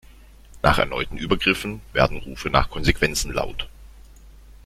Nach erneuten Übergriffen werden Rufe nach Konsequenzen laut.